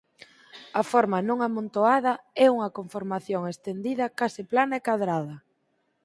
A forma non amontoada é unha conformación estendida case plana e cadrada.